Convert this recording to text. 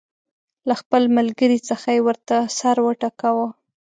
له خپل ملګري څخه یې ورته سر وټکاوه.